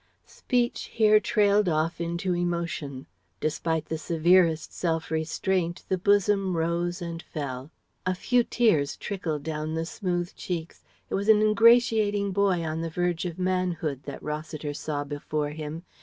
Speech here trailed off into emotion. Despite the severest self restraint the bosom rose and fell. A few tears trickled down the smooth cheeks it was an ingratiating boy on the verge of manhood that Rossiter saw before him.